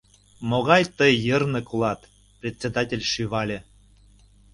— Могай тый йырнык улат, — председатель шӱвале.